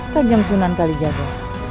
kajang sunan kali jaga